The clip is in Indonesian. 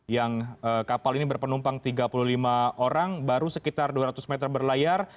yang kapal ini berpenumpang tiga puluh lima orang baru sekitar dua ratus meter berlayar